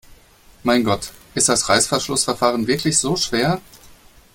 Mein Gott, ist das Reißverschlussverfahren wirklich so schwer?